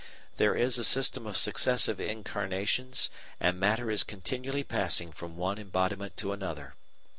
There is a system of successive incarnations and matter is continually passing from one embodiment to another.